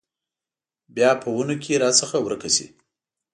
بیا په ونو کې راڅخه ورکه شي